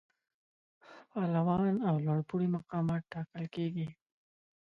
پارلمان او لوړپوړي مقامات ټاکل کیږي.